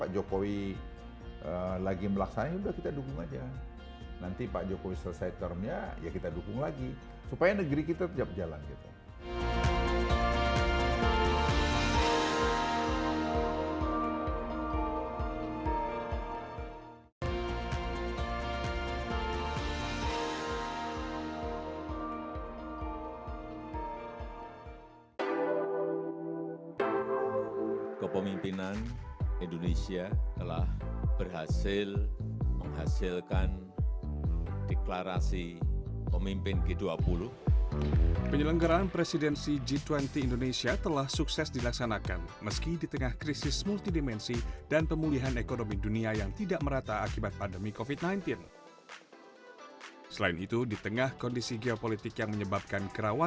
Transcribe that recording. jadi sekarang pak jokowi lagi melaksananya udah kita dukung aja